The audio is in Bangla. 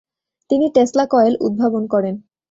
তিনি টেসলা কয়েল উদ্ভাবন করেন।